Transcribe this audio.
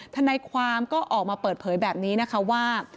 ทนายความก็ออกมาเปิดเผยแบบนี้นะคะว่า